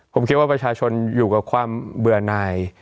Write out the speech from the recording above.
ผมคิดว่าประชาชนอยู่กับความเบื่อหน่าย